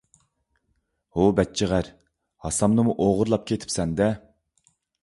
ھۇ بەچچىغەر، ھاسامنىمۇ ئوغرىلاپ كېتىپتىكەنسەن - دە!